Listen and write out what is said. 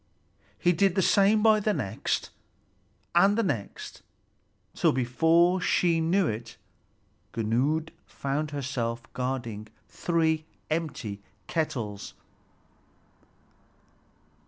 He did the same by the next, and the next, till before she knew it, Gunnlöd found herself guarding three empty kettles.